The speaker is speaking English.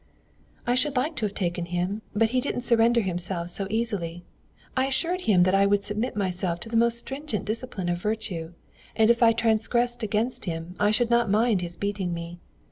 "I should like to have taken him, but he didn't surrender himself so easily. I assured him that I would submit myself to the most stringent discipline of virtue, and if I transgressed against him, I should not mind his beating me.